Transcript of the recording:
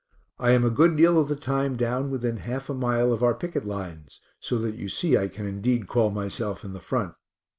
I am a good deal of the time down within half a mile of our picket lines, so that you see I can indeed call myself in the front.